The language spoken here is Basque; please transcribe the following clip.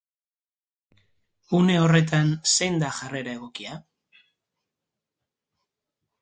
Une horretan zein da jarrera egokia?